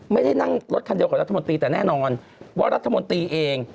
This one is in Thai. ไม่ได้นั่งรถคันเดียวกับรัฐมนตรีแต่แน่นอนว่ารัฐมนตรีเอง